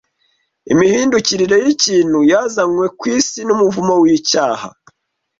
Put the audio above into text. Imihindukire y’ibintu yazanywe ku isi n’umuvumo w’icyaha